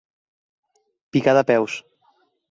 Picar de peus.